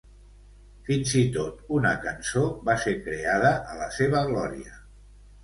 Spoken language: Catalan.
Fins i tot una cançó va ser creada a la seva glòria.